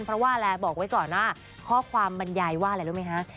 เพราะว่าแลบอกไว้ก่อนหน้าข้อความบรรยายว่าอะไรรู้ไหมคะ